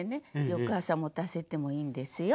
翌朝持たせてもいいんですよ。